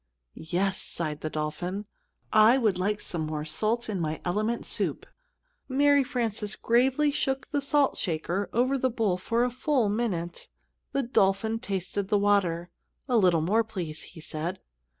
"Yes," sighed the dolphin, "I would like some more salt in my element soup." Mary Frances gravely shook the salt shaker over the bowl for a full minute. The dolphin tasted the water. "A little more, please," he said.